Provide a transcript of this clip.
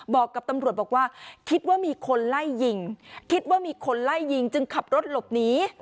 บอกกับตำรวจบอกว่าคิดว่ามีคนไล่ยิงคิดว่ามีคนไล่ยิงจึงขับรถหลบหนี